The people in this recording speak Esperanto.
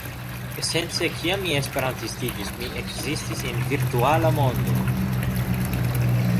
Esence kiam mi esperantistiĝis mi ekzistis en virtuala mondo